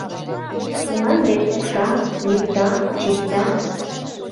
Мланде пукша, йӱкта, чикта.